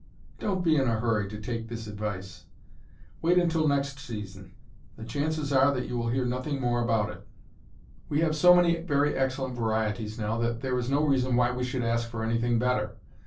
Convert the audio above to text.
Don't be in a hurry to take this advice. Wait until next season. The chances are that you will hear nothing more about it. We have so many very excellent varieties now that there is no reason why we should ask for anything better.